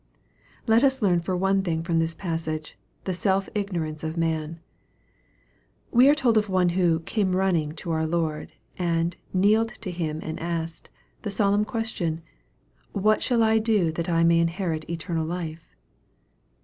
Let us learn for one thing from this passage, the self ignorance of man. We are told of one who " came running' 1 to our Lord, and " kneeled to him and asked" the solemn question, " what shall I do that I may inherit eternal life